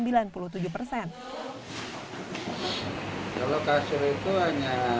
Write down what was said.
kalau kasur itu hanya ini saja yang kemarin pada usang